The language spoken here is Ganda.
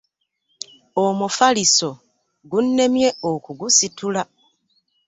Omufaliso gunnemye okugusitula.